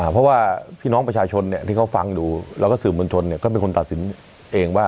เพราะว่าประชาชนที่เขาฟังดูและก็สื่อบริมทรนก็เป็นคนตัดสินเอง